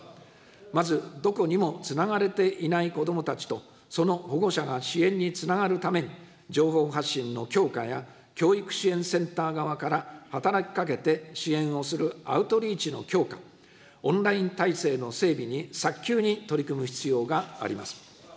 まずどこにもつながれていない子どもたちとその保護者が支援につながるために、情報発信の強化や、教育支援センター側から働きかけて、支援をするアウトリーチの強化、オンライン体制の整備に早急に取り組む必要があります。